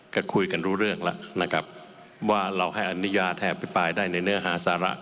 ก็คุยกันรู้เรื่องแล้วนะครับว่าเราให้อนุญาตแทบพิปรายได้ในเนื้อหาสาระ